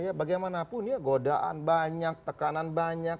ya bagaimanapun ya godaan banyak tekanan banyak